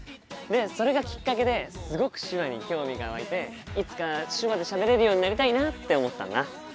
それがきっかけですごく手話に興味が湧いていつか手話でしゃべれるようになりたいなって思ったんだ。